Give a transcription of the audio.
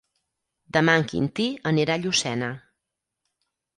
Demà en Quintí anirà a Llucena.